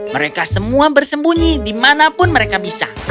mereka semua bersembunyi di mana pun mereka bisa